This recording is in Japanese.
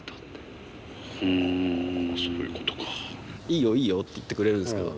「いいよいいよ」って言ってくれるんですけど